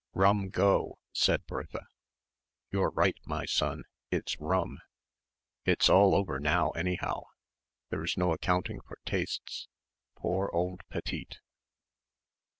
"Rum go," said Bertha. "You're right, my son. It's rum. It's all over now, anyhow. There's no accounting for tastes. Poor old Petite."